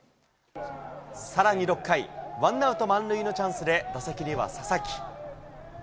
さらに６回、ワンアウト満塁のチャンスで、打席には佐々木。